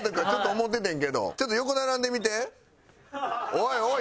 おいおい！